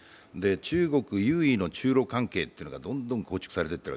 中国優位の中ロ関係というのがどんどん構築されていっている。